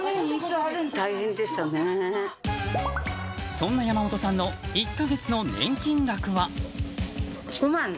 そんな山本さんの１か月の年金額は？